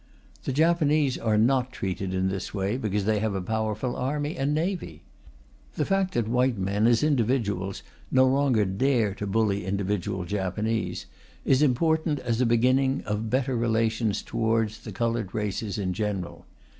The Japanese are not treated in this way, because they have a powerful army and navy. The fact that white men, as individuals, no longer dare to bully individual Japanese, is important as a beginning of better relations towards the coloured races in general.